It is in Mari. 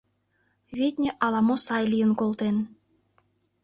Витне, ала-мо сай лийын колтен.